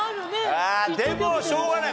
ああでもしょうがない。